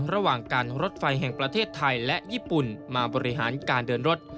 ระหว่างการรถไฟแห่งประเทศไทยและญี่ปุ่นมาบริหารการเดินรถ